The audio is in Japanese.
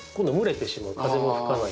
風も吹かないので。